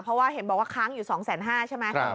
เพราะว่าเห็นบอกว่าค้างอยู่๒๕๐๐ใช่ไหม